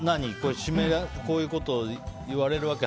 こういうこと言われるわけ？